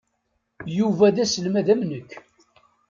Yuba d aselmad am nekk.